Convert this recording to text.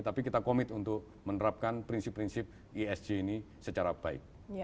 tapi kita komit untuk menerapkan prinsip prinsip esg ini secara baik